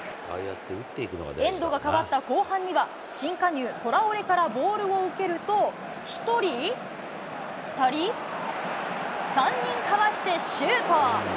エンドが変わった後半には、新加入、トラオレからボールを受けると、１人、２人、３人かわしてシュート。